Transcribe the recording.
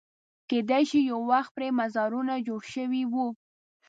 کېدای شي یو وخت پرې مزارونه جوړ شوي وو.